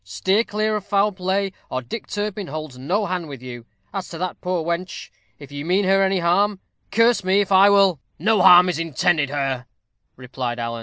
Steer clear of foul play, or Dick Turpin holds no hand with you. As to that poor wench, if you mean her any harm, curse me if I will " "No harm is intended her," replied Alan.